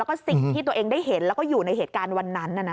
แล้วก็สิ่งที่ตัวเองได้เห็นแล้วก็อยู่ในเหตุการณ์วันนั้น